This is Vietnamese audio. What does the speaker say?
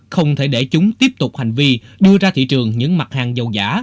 không thể để chúng tiếp tục hành vi đưa ra thị trường những mặt hàng dầu giả